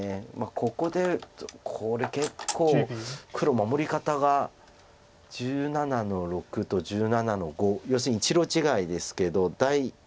ここでこれ結構黒守り方が１７の六と１７の五要するに１路違いですけど。